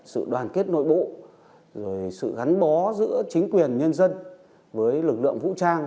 sự đoàn kết nội bộ sự gắn bó giữa chính quyền nhân dân với lực lượng vũ trang